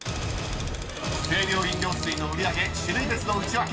［清涼飲料水の売り上げ種類別のウチワケ］